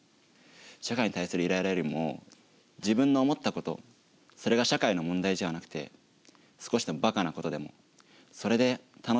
社会に対するイライラよりも自分の思ったことそれが社会の問題じゃなくて少しでもバカなことでもそれで楽しんでくれる人がいるから。